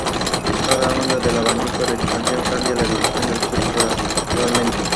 Se suele encontrar en los matorrales, claros de bosque y otros hábitats arbolados abiertos.